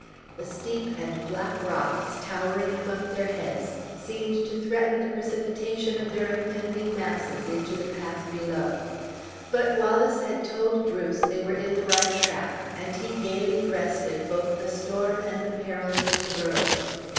The steep and black rocks, towering above their heads, seemed to threaten the precipitation of their impending masses into the path below. But Wallace had told Bruce they were in the right track, and he gaily breasted both the storm and the perils of the road.